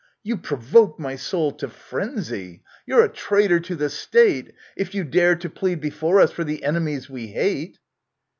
You provoke my soul to frenzy ! You're a traitor to the State, ^ J A If you dare to plead before us for the enemies we hate